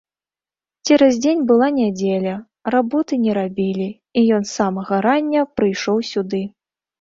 Цераз дзень была нядзеля, работы не рабілі, і ён з самага рання прыйшоў сюды.